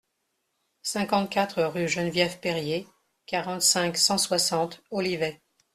cinquante-quatre rue Geneviève Perrier, quarante-cinq, cent soixante, Olivet